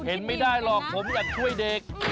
เห็นไม่ได้หรอกผมอยากช่วยเด็ก